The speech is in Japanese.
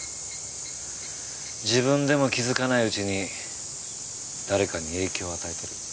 自分でも気づかないうちに誰かに影響を与えてる。